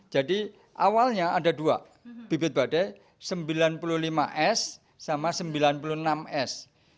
jadi awalnya ada dua bibit badai sembilan puluh lima s sama sembilan puluh enam s